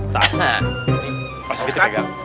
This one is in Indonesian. pak rikiti pas gitu pegang